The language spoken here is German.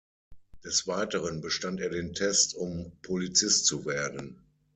Des Weiteren bestand er den Test, um Polizist zu werden.